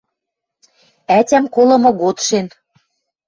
– Ӓтям колымы годшен...